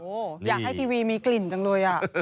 โอ้โหอยากให้ทีวีมีกลิ่นจังเลย